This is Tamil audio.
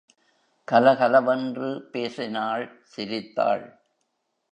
கலகலவென்று பேசினாள் சிரித்தாள்.